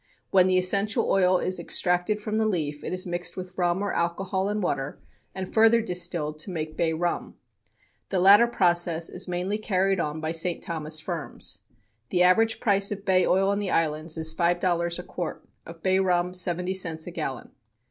When the essential oil is extracted from the leaf, it is mixed with rum or alcohol and water and further distilled to make bay rum. The latter process is mainly carried on by St. Thomas firms. The average price of bay oil in the islands is five dollars a quart; of bay rum, seventy cents a gallon.